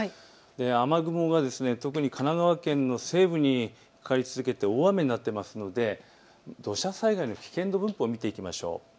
雨雲が特に神奈川県の西部にかかり続けて大雨になっていますので土砂災害の危険度分布を見ていきましょう。